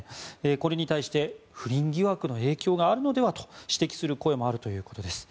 これに対して不倫疑惑の影響があるのではと指摘する声もあるということです。